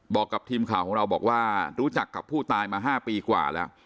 บอกกับทีมข่าวของเราบอกว่ารู้จักกับผู้ตายมา๕ปีกว่าแล้ว